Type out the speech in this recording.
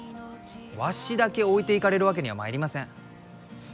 わしだけ置いていかれるわけにはまいりません。